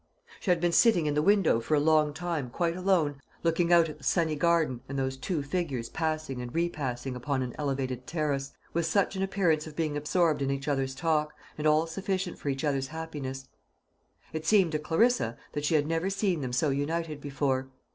She had been sitting in the window for a long time quite alone, looking out at the sunny garden and those two figures passing and repassing upon an elevated terrace, with such an appearance of being absorbed in each other's talk, and all sufficient for each other's happiness. It seemed to Clarissa that she had never seen them so united before.